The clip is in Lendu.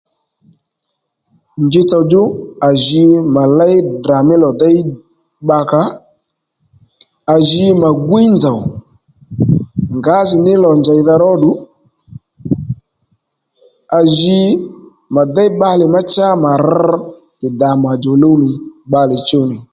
Nji tsò djú à ji mà léy Ddrà mí lò déy bbakà ó à ji mà gwíy nzòw ngǎjìní lò njèydha ró ddù à ji mà déy bbalè má cha mà rr ì ddà màdjò luw nì bbalè chuw nì